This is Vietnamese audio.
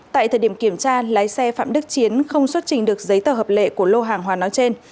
tại thời điểm kiểm tra lái xe phạm đức chiến không xuất trình được giấy tờ hợp lệ của lô hàng hóa nói trên